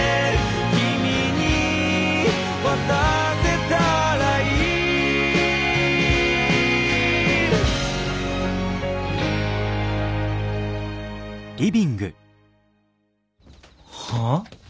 「君に渡せたらいい」はあ？